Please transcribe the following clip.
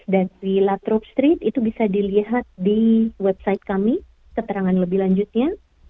dan di latrobe street itu bisa dilihat di website kami keterangan lebih lanjutnya